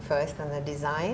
pekerjaan dan desain